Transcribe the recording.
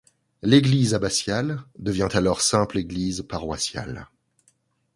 L'église abbatiale devient alors simple église paroissiale.